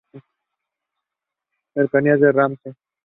Canterbury Magicians are the defending champions.